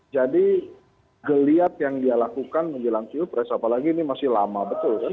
jadi geliat yang dia lakukan menggilang pilpres apalagi ini masih lama betul kan